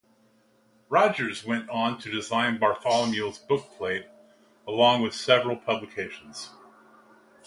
Rogers went on to design Bartholomew's bookplate along with several publications.